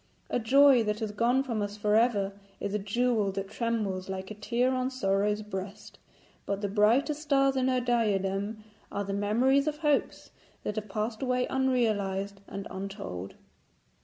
A joy that has gone from us for ever is a jewel that trembles like a tear on Sorrow's breast, but the brightest stars in her diadem are the memories of hopes that have passed away unrealised and untold.